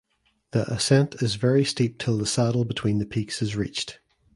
The ascent is very steep till the saddle between the peaks is reached.